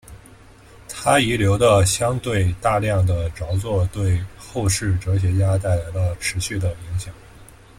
他遗留的相对大量的着作对后世哲学家带来了持续的影响。